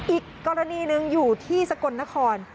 อีกกรณีหนึ่งอยู่ที่สกลนคร